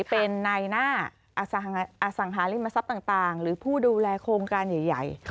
เป็นนายหน้าสังหาริมทรัพย์ต่างหรือผู้ดูแลโครงการใหญ่